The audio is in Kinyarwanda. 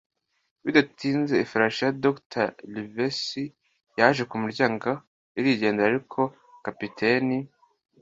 Bidatinze, ifarashi ya Dr. Livesey yaje ku muryango arigendera, ariko kapiteni